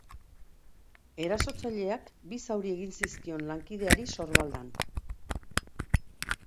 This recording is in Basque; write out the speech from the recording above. Erasotzaileak bi zauri egin zizkion lankideari sorbaldan.